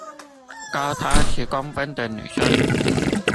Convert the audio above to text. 高他十公分的女生